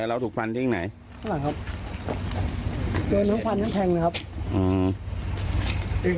เราถูกฟันที่ไหนข้างหลังครับโดนทั้งฟันทั้งแทงเลยครับอืม